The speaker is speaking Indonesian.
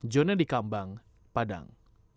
joni dikambang padang